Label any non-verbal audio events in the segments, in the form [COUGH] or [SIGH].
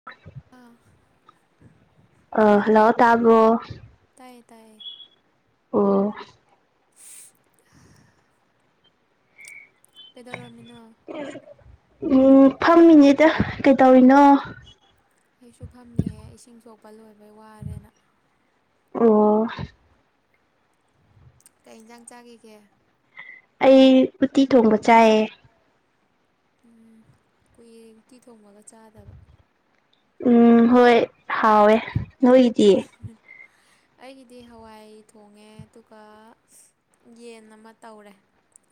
[UNINTELLIGIBLE] ꯑꯥ ꯑ ꯍꯜꯂꯣ ꯇꯥꯕꯔꯣ ꯇꯥꯏꯌꯦ ꯇꯥꯏꯌꯦ ꯑꯣ [UNINTELLIGIBLE] ꯀꯩꯗꯧꯔꯝꯃꯤꯅꯣ ꯎꯝ ꯐꯝꯃꯤꯅꯤꯗ ꯀꯩꯗꯧꯔꯤꯅꯣ ꯑꯩꯩꯁꯨ ꯐꯝꯃꯤꯌꯦ ꯏꯁꯤꯡ ꯁꯣꯛꯄ ꯂꯣꯏꯕꯩ ꯋꯥꯔꯦꯅ ꯑꯣ ꯀꯩ ꯏꯟꯖꯥꯡ ꯆꯥꯒꯤꯒꯦ ꯑꯩ ꯎꯇꯤ ꯊꯣꯡꯕ ꯆꯥꯏꯌꯦ ꯎꯝ ꯀꯨꯏꯔꯦ ꯎꯇꯤ ꯊꯣꯡꯕꯒ ꯆꯥꯗꯕ ꯎꯝ ꯍꯣꯏ ꯍꯥꯎꯋꯦ ꯅꯣꯏꯒꯤꯗꯤ ꯑꯩꯒꯤꯗꯤ ꯍꯋꯥꯏ ꯊꯣꯡꯉꯦ ꯑꯗꯨꯒ ꯌꯦꯟ ꯑꯃ ꯇꯧꯔꯦ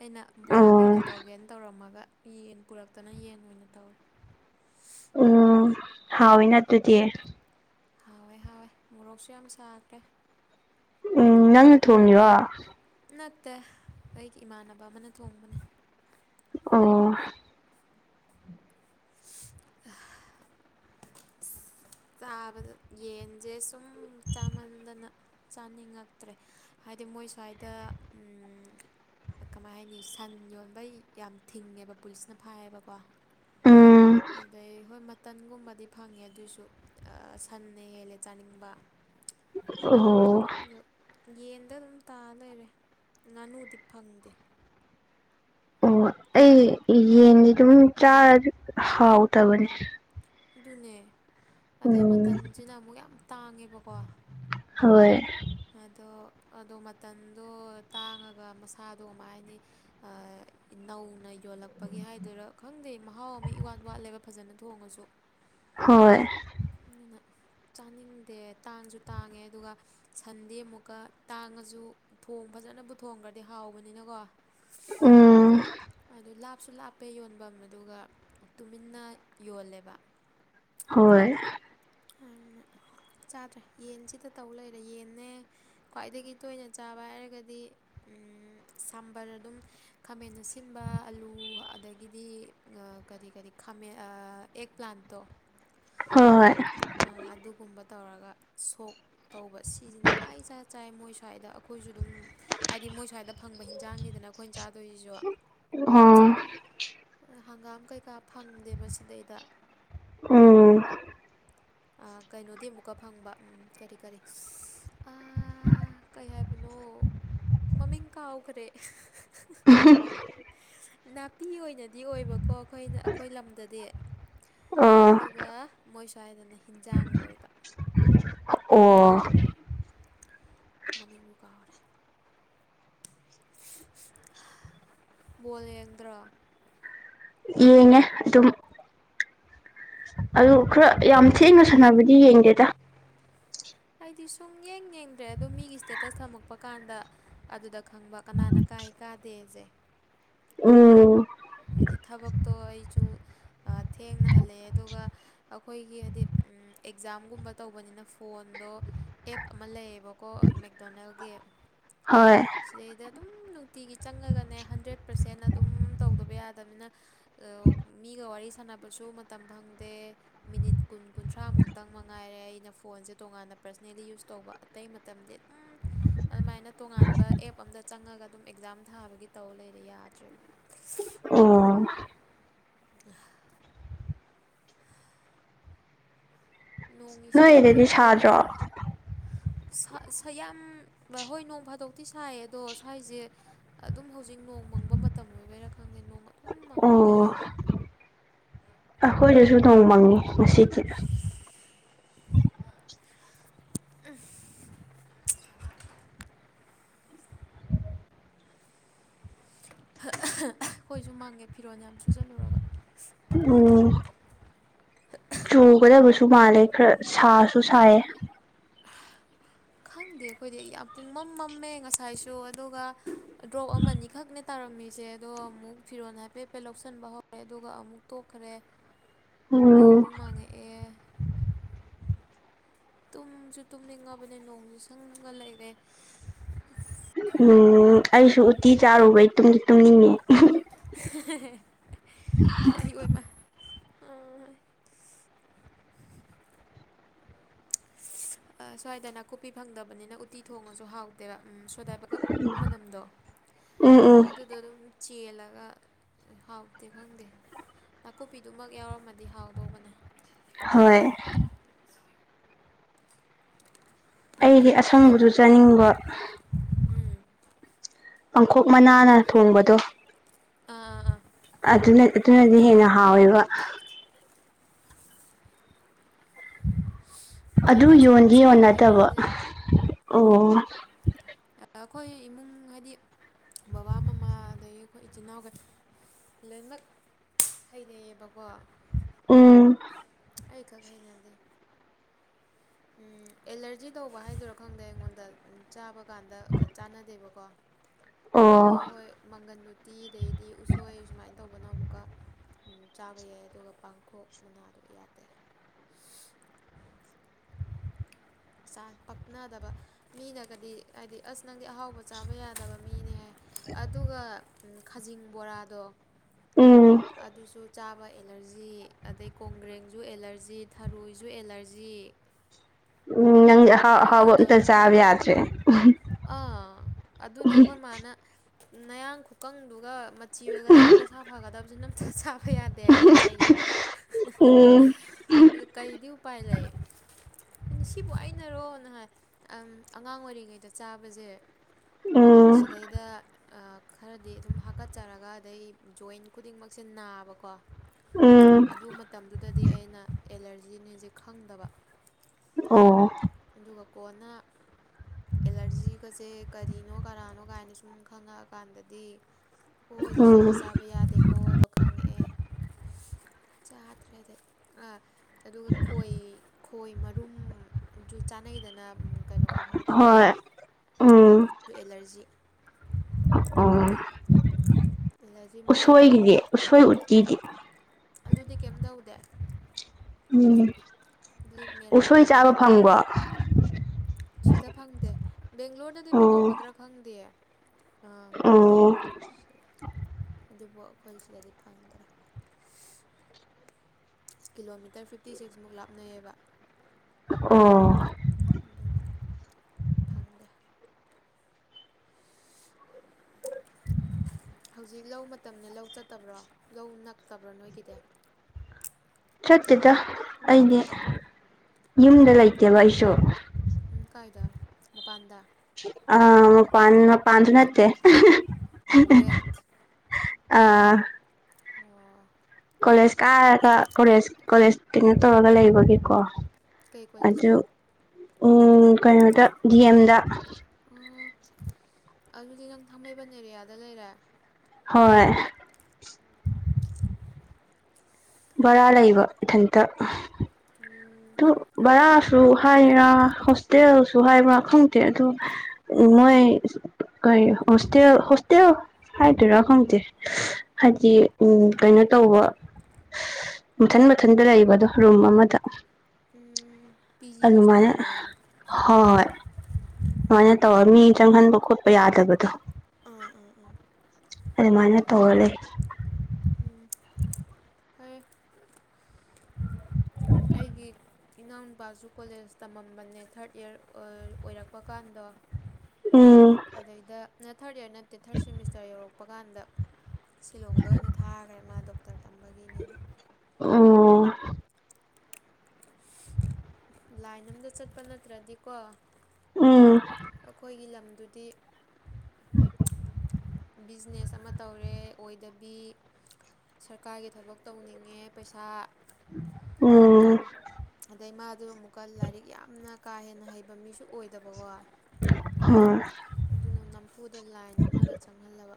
ꯑꯩꯅ ꯕꯣꯔꯥ ꯀꯩꯀꯥ ꯎꯝ ꯇꯧꯒꯦꯅ ꯇꯧꯔꯝꯃꯒ ꯌꯦꯟ ꯄꯨꯔꯛꯇꯅ ꯌꯦꯟ ꯑꯣꯏꯅ ꯇꯧꯔꯦ ꯎꯝ ꯍꯥꯎꯋꯤꯅ ꯑꯗꯨꯗꯤ ꯍꯥꯎꯋꯦ ꯍꯥꯎꯋꯦ ꯃꯣꯔꯣꯛꯁꯨ ꯌꯥꯝ ꯁꯥꯈ꯭ꯔꯦ ꯎꯝ ꯅꯪ ꯊꯣꯡꯉꯤꯔꯣ ꯅꯠꯇꯦ ꯑꯩꯒꯤ ꯏꯃꯥꯟꯅꯕ ꯑꯃꯅ ꯊꯣꯡꯕꯅꯦ ꯑꯣ [UNINTELLIGIBLE] ꯆꯥꯕꯗ ꯌꯦꯟꯖꯦ ꯁꯨꯝ ꯆꯥꯃꯟꯗꯅ ꯆꯥꯅꯤꯡꯉꯛꯇ꯭ꯔꯦ ꯍꯥꯏꯗꯤ ꯃꯣꯏ ꯁ꯭ꯋꯥꯏꯗ ꯎꯝ ꯀꯃꯥꯏ ꯍꯥꯏꯅꯤ ꯁꯟ ꯌꯣꯟꯕꯩ ꯌꯥꯝ ꯊꯤꯡꯉꯦꯕ ꯄꯨꯂꯤꯁꯅ ꯐꯥꯏꯌꯦꯕꯀꯣ ꯎꯝ ꯑꯗꯩ ꯍꯣꯏ ꯃꯇꯟꯒꯨꯝꯕꯗꯤ ꯐꯪꯉꯦ ꯑꯗꯨꯏꯖꯨ ꯑ ꯁꯟꯅ ꯍꯦꯜꯂꯦ ꯆꯥꯅꯤꯡꯕ ꯑꯣ ꯑꯗꯣ ꯌꯦꯟꯗ ꯑꯗꯨꯝ ꯇꯥ ꯂꯩꯔꯦ ꯉꯥꯅꯨꯗꯤ ꯐꯪꯗꯦ ꯑꯣ ꯑꯩ ꯌꯦꯟꯗꯤ ꯑꯗꯨꯝ ꯆꯥꯔꯖꯨ ꯍꯥꯎꯇꯕꯅꯦ ꯑꯗꯨꯅꯦ ꯑꯗꯩ ꯎꯝ ꯃꯇꯟꯖꯤꯅ ꯑꯃꯨꯛ ꯌꯥꯝ ꯇꯥꯡꯉꯦꯕꯀꯣ ꯍꯣꯏ ꯑꯗꯣ ꯑꯗꯣ ꯃꯇꯟꯗꯣ ꯇꯥꯡꯉꯒ ꯃꯁꯥꯗꯣ ꯀꯃꯥꯏ ꯍꯥꯏꯅꯤ ꯑ ꯅꯧꯅ ꯌꯣꯜꯂꯛꯄꯒꯤ ꯍꯥꯏꯗꯣꯏꯔꯥ ꯈꯪꯗꯦ ꯃꯍꯥꯎ ꯑꯃ ꯏꯋꯥꯠ ꯋꯥꯠꯂꯦꯕ ꯐꯖꯅ ꯊꯣꯡꯉꯁꯨ ꯍꯣꯏ ꯑꯗꯨꯅ ꯆꯥꯅꯤꯡꯗꯦ ꯇꯥꯡꯖꯨ ꯇꯥꯡꯉꯦ ꯑꯗꯨꯒ ꯁꯟꯗꯤ ꯑꯃꯨꯛꯀ ꯇꯥꯡꯉꯖꯨ ꯊꯣꯡ ꯐꯖꯅꯕꯨ ꯊꯣꯡꯒ꯭ꯔꯗꯤ ꯍꯥꯎꯕꯅꯤꯅꯀꯣ ꯎꯝ ꯑꯗꯨ ꯂꯥꯞꯁꯨ ꯂꯥꯞꯄꯦ ꯌꯣꯟꯕꯝ ꯑꯗꯨꯒ ꯇꯨꯃꯤꯟꯅ ꯌꯣꯜꯂꯦꯕ ꯍꯣꯏ ꯑꯗꯨꯅ ꯆꯥꯗ꯭ꯔꯦ ꯌꯦꯟꯖꯤꯗ ꯇꯧ ꯂꯩꯔꯦ ꯌꯦꯟꯅꯦ ꯈ꯭ꯋꯥꯏꯗꯒꯤ ꯇꯣꯏꯅ ꯆꯥꯕ ꯍꯥꯏꯔꯒꯗꯤ ꯎꯝ ꯁꯥꯝꯕꯔ ꯑꯗꯨꯝ ꯈꯥꯃꯦꯟ ꯑꯁꯤꯟꯕ ꯑꯂꯨ ꯑꯗꯒꯤꯗꯤ ꯑ ꯀꯔꯤ ꯀꯔꯤ ꯈꯥꯃꯦꯟ ꯑ ꯑꯦꯛ ꯄ꯭ꯂꯥꯟꯇꯣ ꯍꯣꯏ ꯍꯣꯏ ꯑ ꯑꯗꯨꯒꯨꯝꯕ ꯇꯧꯔꯒ ꯁꯣꯛ ꯇꯧꯕ ꯁꯤꯖꯤꯅ ꯈ꯭ꯋꯥꯏ ꯏꯆꯥ ꯆꯥꯏ ꯃꯣꯏ ꯁ꯭ꯋꯥꯏꯗ ꯑꯩꯈꯣꯏꯖꯨ ꯑꯗꯨꯝ ꯍꯥꯏꯗꯤ ꯃꯣꯏ ꯁ꯭ꯋꯥꯏꯗ ꯐꯪꯕ ꯍꯤꯟꯖꯥꯡꯅꯤꯗꯅ ꯑꯩꯈꯣꯏꯟ ꯆꯥꯗꯣꯏꯖꯤꯖꯨ ꯑꯣ ꯍꯪꯒꯥꯝ ꯀꯩꯀꯥ ꯐꯪꯗꯦꯕ ꯁꯤꯗꯩꯗ ꯎꯝ ꯑ ꯀꯩꯅꯣꯗꯤ ꯑꯃꯨꯛꯀ ꯐꯪꯕ ꯎꯝ ꯀꯔꯤ ꯀꯔꯤ ꯑꯥ ꯀꯩ ꯍꯥꯏꯕꯅꯣ ꯃꯃꯤꯡ ꯀꯥꯎꯈꯔꯦ [UNINTELLIGIBLE] ꯅꯥꯄꯤ ꯑꯣꯏꯅꯗꯤ ꯑꯣꯏꯕꯀꯣ ꯑꯩꯈꯣꯏꯅ ꯑꯩꯈꯣꯏ ꯂꯝꯗꯗꯤ ꯑꯣ ꯑꯗꯨꯒ ꯃꯣꯏ ꯁ꯭ꯋꯥꯏꯗꯅ ꯍꯤꯟꯖꯥꯡ ꯑꯣꯏꯕ ꯑꯣ ꯃꯃꯤꯡꯕꯨ ꯀꯥꯎꯔꯦ ꯕꯣꯜ ꯌꯦꯡꯗ꯭ꯔꯥ ꯌꯦꯡꯉꯦ ꯑꯗꯨꯝ ꯑꯗꯨ ꯈꯔ ꯌꯥꯝ ꯊꯦꯡꯅ ꯁꯥꯟꯅꯕꯗꯤ ꯌꯦꯡꯗꯦꯗ ꯑꯩꯗꯤ ꯁꯨꯡ ꯌꯦꯡ ꯌꯦꯡꯗ꯭ꯔꯦ ꯑꯗꯣ ꯃꯤꯒꯤ ꯏꯁꯇꯦꯇꯁ ꯊꯝꯃꯛꯄ ꯀꯥꯟꯗ ꯑꯗꯨꯗ ꯈꯪꯕ ꯀꯅꯥꯅ ꯀꯥꯏ ꯀꯥꯗꯦꯖꯦ ꯎꯝ ꯍꯥꯏꯗꯤ ꯊꯕꯛꯇꯣ ꯑꯩꯖꯨ ꯑ ꯊꯦꯡꯅ ꯍꯜꯂꯛꯑꯦ ꯑꯗꯨꯒ ꯑꯈꯣꯏꯒꯤ ꯍꯥꯏꯗꯤ ꯎꯝ ꯑꯦꯛꯖꯥꯝꯒꯨꯝꯕ ꯇꯧꯕꯅꯤꯅ ꯐꯣꯟꯗꯣ ꯑꯦꯞ ꯑꯃ ꯂꯩꯌꯦꯕꯀꯣ ꯃꯦꯛꯗꯣꯅꯦꯜꯒꯤ ꯍꯣꯏ ꯁꯤꯗꯩꯗ ꯑꯗꯨꯝ ꯅꯨꯡꯇꯤꯒꯤ ꯆꯪꯉꯒꯅꯦ ꯍꯟꯗ꯭ꯔꯦꯠ ꯄꯔꯁꯦꯟ ꯑꯗꯨꯝ ꯇꯧꯗꯕ ꯌꯥꯗꯅꯤꯅ [UNINTELLIGIBLE] ꯃꯤꯒ ꯋꯥꯔꯤ ꯁꯥꯟꯅꯕꯁꯨ ꯃꯇꯝ ꯐꯪꯗꯦ ꯃꯤꯅꯤꯠ ꯀꯨꯟ ꯀꯨꯟꯊ꯭ꯔꯥꯃꯨꯛꯇꯪ ꯃꯉꯥꯏꯔꯦ ꯑꯩꯅ ꯐꯣꯟꯁꯦ ꯇꯣꯉꯥꯟꯅ ꯄꯔꯁꯅꯦꯜꯂꯤ ꯌꯨꯁ ꯇꯧꯕ ꯑꯇꯩ ꯃꯇꯝꯗꯤ ꯑꯗꯨꯝ ꯑꯗꯨꯃꯥꯏꯅ ꯇꯣꯉꯥꯟ ꯕ ꯑꯦꯞ ꯑꯝꯗ ꯆꯪꯉꯒ ꯑꯗꯨꯝ ꯑꯦꯛꯖꯥꯝ ꯊꯥꯕꯒꯤ ꯇꯧ ꯂꯩꯔꯦ ꯌꯥꯗ꯭ꯔꯦꯕ ꯑꯣ [UNINTELLIGIBLE] ꯅꯣꯡ ꯏꯁꯤꯡ ꯅꯣꯏꯗꯗꯤ ꯀꯃꯥꯏꯟ ꯁꯥꯗ꯭ꯔꯣ ꯇꯧꯔꯤꯒꯦ ꯁꯥ ꯁꯌꯥꯝ ꯕ ꯍꯣꯏ ꯅꯣꯡ ꯐꯥꯗꯣꯛꯇꯤ ꯁꯥꯏ ꯑꯗꯣ ꯁ꯭ꯋꯥꯏꯖꯦ ꯑꯗꯨꯝ ꯍꯧꯖꯤꯛ ꯅꯣꯡ ꯃꯪꯕ ꯃꯇꯝ ꯑꯣꯏꯕꯩꯔꯥ ꯈꯪꯗꯦ ꯅꯣꯡ ꯑꯗꯨꯝ ꯃꯪꯉꯒ ꯂꯩ ꯑꯈꯣꯏꯗꯖꯨ ꯅꯣꯡ ꯃꯪꯉꯤ ꯉꯁꯤꯗꯤ [UNINTELLIGIBLE] ꯑꯈꯣꯏꯁꯖꯨ ꯃꯪꯉꯦ ꯐꯤꯔꯣꯜ ꯌꯥꯝ ꯁꯨꯖꯜꯂꯨꯔꯒ ꯎꯝ ꯆꯨꯒꯗꯕꯁꯨ ꯃꯥꯜꯂꯦ ꯈꯔ ꯁꯥꯁꯨ ꯁꯥꯏꯌꯦ ꯈꯪꯗꯦ ꯑꯈꯣꯏꯗꯤ ꯌꯥꯝ ꯄꯨꯡꯃꯝ ꯃꯝꯃꯦ ꯉꯁꯥꯏꯁꯨ ꯑꯗꯨꯒ ꯗ꯭ꯔꯣꯞ ꯑꯃꯅꯤꯈꯛꯅꯦ ꯇꯥꯔꯝꯃꯤꯁꯦ ꯑꯗꯣ ꯑꯃꯨꯛ ꯐꯤꯔꯣꯜ ꯍꯥꯏꯐꯦꯠ ꯍꯥꯏꯐꯦꯠ ꯂꯧꯁꯤꯟꯕ ꯍꯧꯔꯦ ꯑꯗꯨꯒ ꯑꯃꯨꯛ ꯇꯣꯛꯈ꯭ꯔꯦ ꯎꯝ ꯇꯣ ꯑꯃꯨꯛ ꯃꯥꯡꯉꯛꯑꯦ ꯇꯨꯝꯖꯨ ꯇꯨꯝꯅꯤꯡꯉꯕꯅꯦ ꯅꯣꯡꯖꯦ ꯁꯪꯉꯒ ꯂꯩꯔꯦ [UNINTELLIGIBLE] ꯎꯝ ꯑꯩꯁꯨ ꯎꯇꯤ ꯆꯥꯔꯨꯕꯩ ꯇꯨꯝꯗꯤ ꯇꯨꯝꯅꯤꯡꯉꯦ ꯑꯩꯌꯣꯏꯃ [UNINTELLIGIBLE] ꯑ ꯁ꯭ꯋꯥꯏꯗ ꯅꯥꯀꯨꯞꯄꯤ ꯐꯪꯗꯕꯅꯤꯅ ꯎꯇꯤ ꯊꯣꯡꯉꯖꯨ ꯍꯥꯎꯇꯦꯕ ꯎꯝ ꯁꯣꯗ ꯕꯥꯒꯞ ꯃꯅꯝꯗꯣ ꯎꯝ ꯎꯝ ꯑꯗꯨꯗꯣ ꯑꯗꯨꯝ ꯆꯦꯜꯂꯒ ꯍꯥꯎꯇꯦ ꯈꯪꯗꯦ ꯅꯥꯀꯨꯞꯄꯤꯗꯨꯃꯒ ꯌꯥꯎꯔꯝꯃꯗꯤ ꯍꯥꯎꯗꯧꯕꯅꯦ ꯍꯣꯏ ꯑꯩꯒꯤ ꯑꯁꯪꯕꯖꯨ ꯆꯥꯅꯤꯡꯕ ꯎꯝ ꯄꯥꯡꯈꯣꯛ ꯃꯅꯥꯅ ꯊꯣꯡꯕꯗꯣ ꯑꯥ ꯑꯥ ꯑ ꯑꯗꯨꯅ ꯑꯗꯨꯅꯗꯤ ꯍꯦꯟꯅ ꯍꯥꯎꯋꯦꯕ ꯑꯗꯨ ꯑꯩꯗꯤ ꯑꯁꯪꯕ ꯌꯣꯟꯗꯤ ꯆꯥꯕ ꯌꯣꯟꯅꯇꯕꯣ ꯍꯩꯅꯗꯦ ꯑꯣ ꯑꯩꯈꯣꯏ ꯏꯃꯨꯡ ꯍꯥꯏꯗꯤ ꯕꯕꯥ ꯃꯃꯥ ꯑꯗꯒꯤ ꯑꯩꯈꯣꯏ ꯏꯆꯤꯟ ꯏꯅꯥꯎꯈꯩ ꯂꯣꯏꯃꯛ ꯍꯩꯅꯩꯌꯦꯕꯀꯣ ꯎꯝ ꯑꯩ ꯈꯛ ꯍꯩꯅꯗꯦ ꯎꯝ ꯑꯦꯂꯔꯖꯤ ꯇꯧꯕ ꯍꯥꯏꯗꯨꯔꯥ ꯈꯪꯗꯦ ꯑꯩꯉꯣꯟꯗ ꯆꯥꯕ ꯀꯥꯟꯗ ꯆꯥꯟꯅꯗꯦꯕꯀꯣ [UNINTELLIGIBLE] ꯑꯗꯣ ꯍꯣꯏ ꯃꯪꯒꯟ ꯎꯇꯤ ꯑꯗꯩꯗꯤ ꯎꯁꯣꯏ ꯁꯨꯃꯥꯏꯅ ꯇꯧꯕꯅꯣ ꯑꯃꯨꯛꯀ ꯆꯥꯕ ꯌꯥꯏ ꯑꯗꯨꯒ ꯄꯥꯡꯈꯣꯛ ꯃꯅꯥꯗꯣ ꯌꯥꯗꯦ ꯆꯥ ꯄꯛꯅꯗꯕ ꯃꯤꯅꯒꯗꯤ ꯍꯥꯏꯗꯤ ꯑꯁ ꯅꯪꯗꯤ ꯑꯍꯥꯎꯕ ꯆꯥꯕ ꯌꯥꯗꯕ ꯃꯤꯅꯦ ꯍꯥꯏ ꯑꯗꯨꯒ ꯈꯖꯤꯡ ꯕꯣꯔꯥꯗꯣ ꯎꯝ ꯑꯗꯨꯁꯨ ꯆꯥꯕ ꯑꯦꯂꯔꯖꯤ ꯑꯗꯩ ꯀꯣꯡꯒ꯭ꯔꯦꯡꯁꯨ ꯑꯦꯂꯔꯖꯤ ꯊꯔꯣꯏꯁꯨ ꯑꯦꯂꯔꯖꯤ ꯎꯝ ꯅꯪ ꯑꯍꯥꯎ ꯀꯔꯤ ꯑꯍꯥꯎꯕ ꯑꯃꯇꯥ ꯇꯧꯔꯤꯅꯣ ꯆꯥꯕꯥ ꯈꯪꯗꯦ ꯌꯥꯗ꯭ꯔꯦ ꯑꯥ ꯑꯗꯨꯅꯦ ꯑꯩꯈꯣꯏ ꯃꯥꯅ ꯅꯌꯥꯡ ꯈꯨꯀꯪꯗꯨꯒ ꯃꯆꯤ ꯑꯣꯏꯒꯗꯕ ꯅꯁꯥ ꯐꯥꯒꯗ ꯃꯅꯝꯁꯨ ꯅꯝꯊꯤ ꯆꯥꯕ ꯌꯥꯗꯦ ꯍꯥꯏꯅ ꯆꯩꯌꯦꯕ ꯎꯝ ꯑꯗꯨ ꯀꯔꯤꯗꯤ ꯎꯄꯥꯏ ꯂꯩ ꯁꯤꯕꯨ ꯑꯩꯅꯔꯣ ꯅ ꯍꯥꯏ ꯑꯉꯥꯡ ꯑꯣꯏꯔꯤꯉꯩꯗ ꯆꯥꯕꯁꯦ ꯎꯝ ꯁꯤꯗꯩꯗ ꯈꯔꯗꯤ ꯑꯗꯨꯝ ꯍꯥꯞꯀꯠꯆꯔꯒ ꯑꯗꯩ ꯖꯣꯏꯟ ꯈꯨꯗꯤꯡꯃꯛꯁꯦ ꯅꯥꯕꯀꯣ ꯎꯝ ꯑꯗꯨ ꯃꯇꯝꯗꯨꯗꯗꯤ ꯑꯩꯅ ꯑꯦꯂꯔꯖꯤꯅꯤꯁꯦ ꯈꯪꯗꯕ ꯑꯣ ꯑꯗꯨꯒ ꯀꯣꯟꯅ ꯑꯦꯂꯔꯖꯤꯒꯁꯦ ꯀꯔꯤꯅꯣ ꯀꯅꯥꯅꯣ ꯀꯥꯏꯅ ꯁꯨꯝ ꯈꯪꯉꯛꯑꯀꯥꯟꯗꯗꯤ ꯍꯣꯏꯁꯦ ꯎꯝ ꯁꯤꯁꯦ ꯆꯥꯕ ꯌꯥꯗꯦꯀꯣ ꯑꯗꯣ ꯈꯪꯉꯛꯑꯦ ꯆꯥꯗ꯭ꯔꯗꯦ ꯑ ꯑꯗꯨꯒ ꯈꯣꯏ ꯈꯣꯏ ꯃꯔꯨꯝꯁꯨ ꯆꯥꯅꯩꯗꯅ ꯀꯩꯅꯣ ꯀꯥꯡꯍꯧ ꯇꯧꯔꯒ ꯍꯣꯏ ꯎꯝ ꯑꯗꯨꯁꯨ ꯑꯦꯂꯔꯖꯤ ꯑꯣ ꯑꯦꯂꯔꯖꯤ ꯃꯥꯁꯇꯔꯅꯦ ꯎꯁꯣꯏꯒꯤꯗꯤ ꯎꯁꯣꯏ ꯎꯇꯤꯗꯤ ꯑꯗꯨꯗꯤ ꯀꯩꯝ ꯇꯧꯗꯦ ꯎꯝ ꯑꯗꯨꯂꯤꯝ ꯃꯦꯔꯥ ꯎꯁꯣꯏ ꯆꯥꯕ ꯐꯦꯚꯣꯔꯥꯏꯠꯅꯦ ꯐꯪꯕ꯭ꯔꯣ ꯁꯤꯗ ꯐꯪꯗꯦ ꯕꯦꯡꯒ꯭ꯂꯣꯔꯗꯗꯤ ꯑꯣ ꯐꯪꯉꯝꯒꯗ꯭ꯔꯥ ꯈꯪꯗꯦ ꯑꯥ ꯑꯣ ꯁꯤ ꯑꯗꯨꯕꯨ ꯑꯩꯈꯣꯏ ꯁꯤꯗꯗꯤ ꯐꯪꯗ꯭ꯔꯦ ꯀꯤꯂꯣꯃꯤꯇꯔ ꯐꯤꯞꯇꯤ ꯁꯤꯛꯁꯃꯨꯛ ꯂꯥꯞꯅꯩꯌꯦꯕ ꯑꯣ ꯑꯗꯨꯅ ꯐꯪꯗꯦ ꯍꯧꯖꯤꯛ ꯂꯧ ꯃꯇꯝꯅꯤꯅꯦ ꯂꯧ ꯆꯠꯇꯕ꯭ꯔꯣ ꯂꯧ ꯅꯛꯇꯕ꯭ꯔꯣ ꯅꯣꯏꯒꯤꯗꯤ ꯆꯠꯇꯦꯗ ꯑꯩꯗꯤ ꯌꯨꯝꯗ ꯂꯩꯇꯦꯕ ꯑꯩꯁꯨ ꯎꯝ ꯀꯥꯏꯗ ꯃꯄꯥꯟꯗ ꯑꯥ ꯃꯄꯥꯟ ꯃꯄꯥꯟꯁꯨ ꯅꯠꯇ ꯔꯦꯟꯠ ꯑꯥ ꯑꯣ ꯀꯣꯂꯦꯖ ꯀꯥꯔꯒ ꯀꯣꯂꯦꯖ ꯀꯣꯂꯦꯖ ꯀꯩꯅꯣ ꯇꯧꯔꯒ ꯂꯩꯕꯒꯦꯀꯣ ꯀꯩ ꯑꯗꯨ ꯀꯣꯂꯦꯖꯇ ꯀꯩꯅꯣꯗ ꯗꯤ ꯑꯦꯝꯗ ꯑꯣ ꯑꯗꯨꯗꯤ ꯅꯪ ꯊꯥꯡꯃꯩꯕꯟ ꯑꯦꯔꯤꯌꯥꯗ ꯂꯩꯔꯦ ꯍꯣꯏ ꯕꯥꯔꯥ ꯂꯩꯕꯥ ꯎꯝ ꯏꯊꯟꯇ ꯎꯝ ꯚꯔꯥꯁꯨ ꯍꯥꯏꯔꯥ ꯍꯣꯁꯇꯦꯜꯁꯨ ꯍꯥꯏꯕ꯭ꯔꯥ ꯈꯪꯗꯦ ꯑꯗꯣ ꯃꯣꯏ ꯀꯩ ꯍ‌ꯣꯁꯦꯜ ꯍꯣꯁꯦꯜ ꯍꯥꯏꯗꯣꯏꯔꯥ ꯈꯪꯗꯦ ꯍꯥꯏꯗꯤ ꯎ ꯀꯩꯅꯣ ꯇꯧꯕ ꯃꯊꯟ ꯃꯊꯟꯗ ꯂꯩꯕꯗꯣ ꯔꯨꯝ ꯑꯃꯗ ꯎꯝ ꯄꯤ ꯑꯗꯨ ꯖꯤꯒꯤ ꯃꯥꯏꯅ ꯁ꯭ꯇꯥꯏꯜꯗꯔꯣ ꯍꯣꯏ ꯎꯝ ꯃꯥꯏꯅ ꯇꯧꯔ ꯃꯤ ꯆꯪꯍꯟꯕ ꯈꯣꯠꯄ ꯌꯥꯗꯕꯗꯣ ꯑꯥ ꯑꯥ ꯑꯥ ꯑꯗꯨꯃꯥꯏꯅ ꯇꯧꯔ ꯂꯩ ꯎꯝ ꯐꯔ ꯎꯝ ꯑꯩꯒꯤ ꯏꯅꯥꯎꯅꯨꯄꯥꯁꯨ ꯀꯣꯂꯦꯖ ꯇꯝꯃꯝꯕꯅꯦ ꯊꯥꯔꯠ ꯏꯌꯥꯔ ꯑꯣꯏꯔꯛꯄ ꯀꯥꯟꯗꯣ ꯎꯝ ꯑꯗꯩꯗ ꯅ ꯊꯥꯔꯠ ꯏꯔ ꯅꯠꯇꯦ ꯊꯥꯔꯠ ꯁꯦꯃꯤꯁꯇꯔ ꯌꯧꯔꯛꯄ ꯍꯥꯄ ꯀꯥꯟꯗ ꯁꯤꯂꯣꯡꯗ ꯑꯣꯏꯅ ꯊꯥꯈ꯭ꯔꯦ ꯃꯥ ꯗꯣꯛꯇꯔ ꯇꯝꯕꯒꯤꯅꯦꯅ ꯎꯝ ꯂꯥꯏꯟ ꯑꯝꯗ ꯆꯠꯄ ꯅꯠꯇ꯭ꯔꯗꯤꯀꯣ ꯎꯝ ꯑꯩꯈꯣꯏꯒꯤ ꯂꯝꯗꯨꯗꯤ ꯕꯤꯖꯤꯅꯦꯁ ꯑꯃ ꯇꯧꯔꯦ ꯑꯣꯏꯗꯕꯤ ꯁꯔꯀꯥꯔꯒꯤ ꯊꯕꯛ ꯇꯧꯅꯤꯡꯉꯦ ꯄꯩꯁꯥ ꯎꯝ ꯑꯗꯩ ꯃꯥꯗꯨ ꯑꯃꯨꯛꯀ ꯂꯥꯏꯔꯤꯛ ꯌꯥꯝꯅ ꯀꯥ ꯍꯦꯟꯅ ꯍꯩꯕ ꯃꯤꯁꯨ ꯑꯣꯏꯗꯕꯀꯣ [UNINTELLIGIBLE] ꯑꯗꯨꯅ ꯅꯝꯐꯨꯗ ꯂꯥꯏꯟ ꯑꯃꯗ ꯆꯪꯍꯜꯂꯕ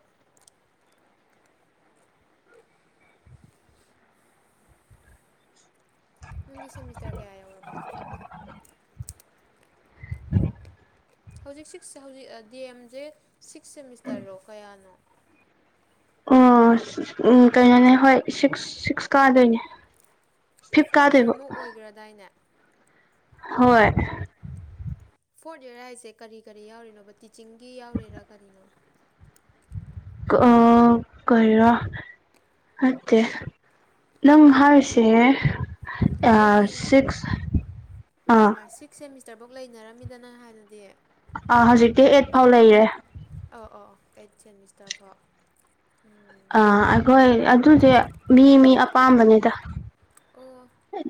ꯅꯪꯗꯤ ꯁꯦꯃꯤꯁꯇꯔ ꯀꯌꯥ ꯌꯧꯔꯕ ꯍꯧꯖꯤꯛ ꯁꯤꯛꯁ ꯍꯧꯖꯤꯛ ꯗꯤ ꯑꯦꯝꯁꯦ ꯁꯤꯛꯁ ꯁꯦꯃꯤꯁꯇꯔꯔꯣ ꯀꯌꯥꯅꯣ ꯑꯣ ꯎ ꯀꯩꯅꯣꯅꯦ ꯍꯣꯏ ꯁꯤꯛꯁ ꯁꯤꯛꯁ ꯀꯥꯗꯣꯏꯅꯦ ꯐꯤꯞ ꯀꯥꯗ‌ꯣꯏꯕ ꯒ꯭ꯔꯗꯥꯏꯅꯦ ꯍꯣꯏ ꯐꯣꯔꯠ ꯏꯔ ꯍꯥꯏꯁꯦ ꯀꯔꯤ ꯀꯔꯤ ꯌꯥꯎꯔꯤꯅꯣꯕ ꯇꯤꯆꯤꯡꯒꯤ ꯌꯥꯎꯔꯤꯔꯥ ꯀꯔꯤꯅꯣ [UNINTELLIGIBLE] ꯅꯪ ꯍꯥꯏꯔꯤꯁꯦ ꯑꯩꯒꯤ ꯁꯤꯛꯁ ꯑꯥ ꯁꯤꯛꯁ ꯁꯦꯃꯤꯁꯇꯔꯐꯧ ꯂꯩꯅꯔꯝꯃꯤꯗꯅ ꯍꯥꯟꯅꯗꯤ ꯑ ꯍꯧꯖꯤꯛꯇꯤ ꯑꯩꯠ ꯐꯥꯎ ꯂꯩꯔꯦ ꯑ ꯑ ꯑꯩꯠ ꯁꯦꯃꯤꯁꯇꯔ ꯐꯥꯎ ꯎꯝ ꯑꯥ ꯑꯩꯈꯣꯏ ꯑꯗꯨꯗꯤ ꯃꯤ ꯃꯤ ꯑꯄꯥꯝꯕꯅꯤꯗ ꯑꯣ ꯍꯥꯏ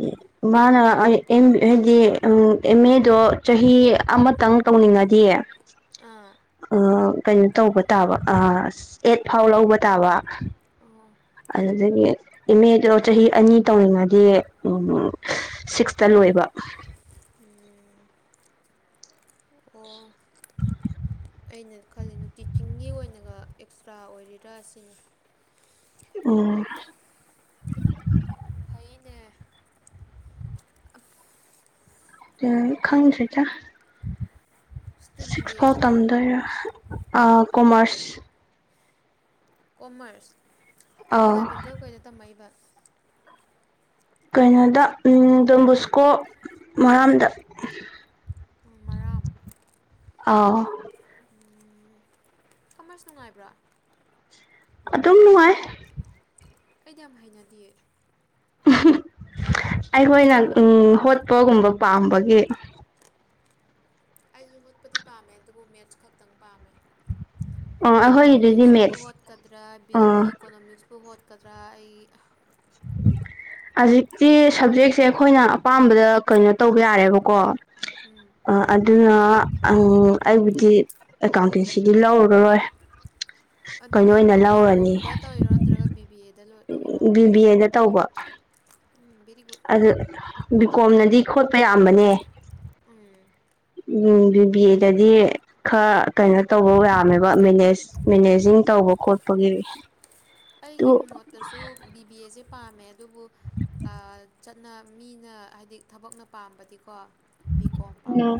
ꯃꯥꯅ ꯍꯥꯏꯗꯤ ꯑꯦꯝ ꯑꯦꯗꯣ ꯆꯍꯤ ꯑꯃꯇꯪ ꯇꯧꯅꯤꯡꯉꯗꯤꯌꯦ ꯑꯥ ꯀꯩꯅꯣ ꯇꯧꯕ ꯇꯥꯕ ꯑꯦꯠ ꯐꯥꯎ ꯂꯧꯕ ꯇꯥꯕ [UNINTELLIGIBLE] ꯑꯗꯨꯗꯒꯤ ꯑꯦꯝ ꯑꯦꯗꯣ ꯆꯍꯤ ꯑꯅꯤ ꯇꯧꯔꯤꯉꯩꯗꯤ ꯁꯤꯛꯁꯇ ꯂꯣꯏꯕ ꯎꯝ ꯑꯣ ꯑꯩꯅ ꯈꯜꯂꯤꯅ ꯇꯤꯆꯤꯡꯒꯤ ꯑꯣꯏꯅꯒ ꯑꯦꯛꯁꯇ꯭ꯔꯥ ꯑꯣꯏꯔꯤꯔꯥ ꯁꯤꯅꯤ ꯎꯝ꯫ ꯐꯩꯅꯦ꯫ ꯀꯩꯏꯝ ꯈꯪꯗ꯭ꯔꯤꯗ ꯁꯤꯛꯁ ꯏꯁꯇ꯭ꯔꯤꯝꯗꯤ ꯐꯥꯎ ꯇꯝꯗꯣꯏꯔꯥ꯫ ꯑ ꯀꯣꯃꯔꯁ꯫ ꯀꯣꯃꯔꯁ ꯏꯂꯚꯦꯟ ꯑꯥ ꯇꯨꯌꯦꯞ ꯀꯩꯏꯗ ꯇꯝꯃꯛꯏꯕ? ꯀꯩꯅꯣꯗ ꯗꯣꯟꯕꯣꯁꯀꯣ ꯃꯔꯥꯝꯗ꯫ ꯎꯝ ꯃꯔꯥꯝ꯫ ꯑꯧ꯫ ꯎꯝ ꯀꯃꯔꯁ ꯅꯨꯡꯉꯥꯏꯕ꯭ꯔꯣ? ꯑꯗꯨꯝ ꯅꯨꯡꯉꯥꯏ꯫ ꯑꯩꯗꯤ ꯌꯥꯝ ꯍꯩꯅꯗꯤꯌꯦ꯫ ꯑꯩꯈꯣꯏꯅ ꯍꯣꯠꯄꯒꯨꯝꯕ ꯄꯥꯝꯕꯒꯤ꯫ ꯑꯩꯖꯨ ꯍꯣꯠꯄꯗꯤ ꯄꯥꯝꯃꯦ ꯑꯗꯨꯕꯨ ꯃꯦꯠꯁ ꯈꯛꯇꯪ ꯄꯥꯝꯃꯦ꯫ ꯑꯥ ꯑꯩꯈꯣꯏꯒꯤꯗꯨꯗꯤ ꯑꯦꯀꯥꯎꯟꯇꯦꯟꯁꯤꯕꯨ ꯃꯦꯠꯁ ꯍꯣꯠꯀꯗ꯭ꯔꯥ ꯕꯤ ꯑꯥ ꯑꯗꯩ ꯏꯀꯣꯅꯣꯃꯤꯛꯁ ꯄꯨ ꯍꯣꯠꯀꯗ꯭ꯔꯥ ꯑꯩ [UNINTELLIGIBLE] ꯍꯧꯖꯤꯛꯇꯤ ꯁꯞꯖꯦꯛꯁꯦ ꯑꯩꯈꯣꯏꯅ ꯑꯄꯥꯝꯕꯗ ꯀꯩꯅꯣ ꯇꯧꯕ ꯌꯥꯔꯦꯕꯀꯣ꯫ ꯎꯝ ꯑꯥ ꯑꯗꯨꯅ ꯑꯩꯕꯨꯗꯤ, ꯑꯦꯀꯥꯎꯟꯇꯦꯟꯁꯤꯗꯤ ꯂꯧꯔꯔꯣꯏ꯫ ꯑꯗꯨ ꯀꯩꯅꯣ ꯅꯪ ꯑꯣꯏꯅ ꯕꯤ ꯂꯧꯔꯅꯤ ꯀꯣꯝꯗ ꯇꯧꯔꯤꯔꯣ, ꯅꯠꯇ꯭ꯔꯒ ꯕꯤ ꯕꯤ ꯑꯦꯗ ꯇꯧꯔꯤꯔꯣ? ꯕꯤ ꯕꯤ ꯑꯦꯗ ꯇꯧꯕ꯫ ꯎꯝ ꯕꯤꯔꯤꯒꯨꯠ꯫ ꯕꯤꯀꯣꯝꯅꯗꯤ ꯈꯣꯠꯄ ꯌꯥꯝꯕꯅꯦ꯫ ꯎꯝ꯫ ꯎꯝ ꯕꯤ ꯕꯤ ꯑꯦ ꯗꯗꯤ ꯈꯔ ꯀꯩꯅꯣ ꯇꯧꯕ ꯌꯥꯝꯃꯦꯕ ꯃꯦꯅꯦꯖ꯫ ꯃꯦꯅꯦꯖꯤꯡ ꯇꯧꯕ ꯈꯣꯠꯄꯒꯤ꯫ ꯑꯗꯨ ꯑꯩꯒꯤ ꯃꯣꯠꯇꯁꯨ ꯕꯤ ꯕꯤ ꯑꯦ ꯖꯦ ꯄꯥꯝꯃꯦ ꯑꯗꯨꯕꯨ ꯑ ꯆꯠꯅ ꯃꯤꯅ ꯍꯥꯏꯗꯤ ꯊꯕꯛꯅ ꯄꯥꯝꯕꯗꯤꯀꯣ ꯕꯤ ꯀꯣꯝ ꯎꯝ ꯄꯥꯝꯕ꯫